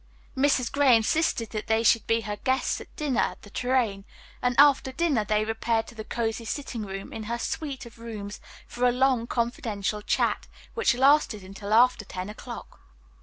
Mrs. Gray insisted that they should be her guests at dinner at the "Tourraine," and after dinner they repaired to the cozy sitting room in her suite of rooms for a long, confidential chat, which lasted until after ten o'clock.